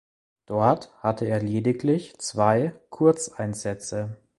Dort hatte er lediglich zwei Kurzeinsätze.